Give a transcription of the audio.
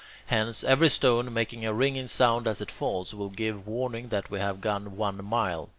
Hence, every stone, making a ringing sound as it falls, will give warning that we have gone one mile.